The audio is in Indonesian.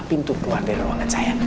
pintu keluar dari ruangan saya